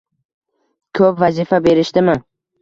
Ko‘p vazifa berishdimi?